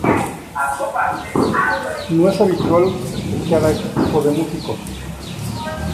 no es habitual escuchar a este tipo de músicos